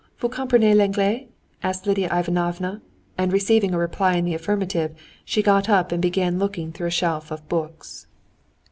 "Vous comprenez l'anglais?" asked Lidia Ivanovna, and receiving a reply in the affirmative, she got up and began looking through a shelf of books.